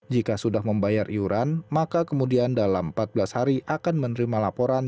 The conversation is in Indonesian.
jika sudah membayar iuran maka kemudian dalam empat belas hari akan menerima laporan